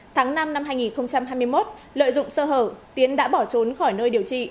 tháng năm năm hai nghìn hai mươi một lợi dụng sơ hở tiến đã bỏ trốn khỏi nơi điều trị